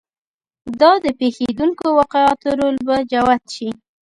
دا د پېښېدونکو واقعاتو رول به جوت شي.